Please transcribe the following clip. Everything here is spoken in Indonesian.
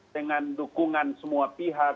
dengan dukungan semua pihak